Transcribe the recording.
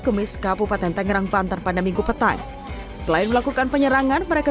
gemis kabupaten tangerang banten pada minggu petang selain melakukan penyerangan mereka